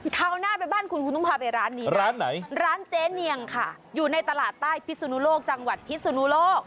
คราวหน้าไปบ้านคุณคุณต้องพาไปร้านนี้ร้านไหนร้านเจ๊เนียงค่ะอยู่ในตลาดใต้พิสุนุโลกจังหวัดพิศนุโลก